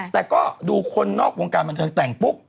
แต่ก็ดูคนนอกวงการบันเทิงแต่งปุ๊บ